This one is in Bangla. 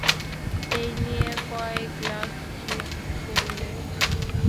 এই নিয়ে কয় গ্লাস ড্রিংক করলে?